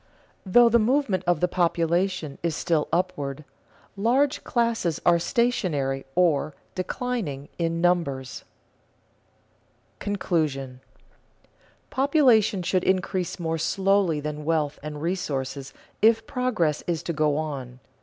Though the movement of the population is still upward, large classes are stationary or declining in numbers. [Sidenote: Conclusion] Population should increase more slowly than wealth and resources if progress is to go on.